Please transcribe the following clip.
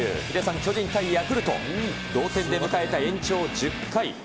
ヒデさん、巨人対ヤクルト、同点で迎えた延長１０回。